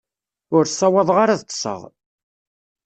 Ur ssawaḍeɣ ara ad ṭṭseɣ.